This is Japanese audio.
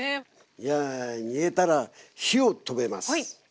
いや煮えたら火を止めます。